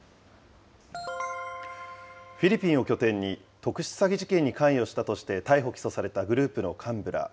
フィリピンを拠点に特殊詐欺事件に関与したとして逮捕・起訴されたグループの幹部ら。